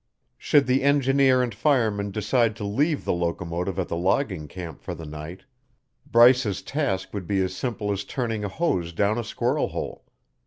Should the engineer and fireman decide to leave the locomotive at the logging camp for the night, Bryce's task would be as simple as turning a hose down a squirrel hole.